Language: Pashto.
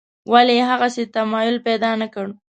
ولې یې هغسې تمایل پیدا نکړ.